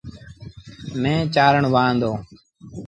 مينهن چآرڻ وهآن دو۔